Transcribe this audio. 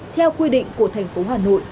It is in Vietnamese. theo quy định của thành phố hà nội đưa ra